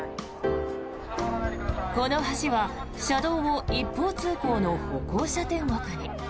この橋は車道を一方通行の歩行者天国に。